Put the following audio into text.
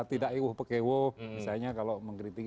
tidak iwo pekewo misalnya kalau mengkritik